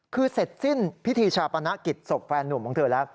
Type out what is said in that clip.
คือเสร็จสิ้นพิธีชาปนกิจศพแฟนหนุ่มของเธอแล้ว